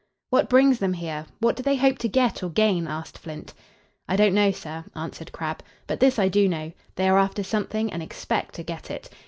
"What brings them here? What do they hope to get or gain?" asked Flint. "I don't know, sir," answered Crabb. "But this I do know, they are after something and expect to get it.